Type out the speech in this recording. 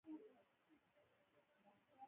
احمدشاه ابدالي لاهور ته رسېدلی دی.